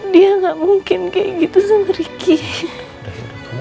dia gak mungkin kayak gitu sama ricky